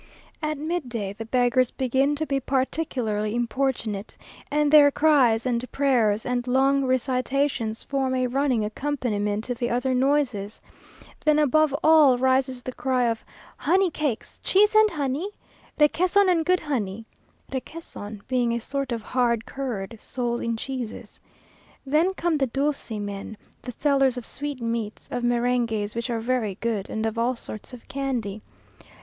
At midday the beggars begin to be particularly importunate, and their cries, and prayers, and long recitations, form a running accompaniment to the other noises. Then above all rises the cry of "Honey cakes!" "Cheese and honey?" "Requesón and good honey?" (Requesón being a sort of hard curd, sold in cheeses.) Then come the dulce men, the sellers of sweetmeats, of meringues, which are very good, and of all sorts of candy.